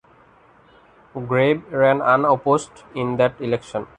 Grabe ran unopposed in that election.